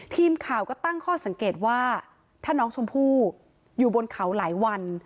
ทีมข่าวก็ตั้งข้อสังเกตว่าถ้าน้องชมพู่อยู่บนเขาหลายวัน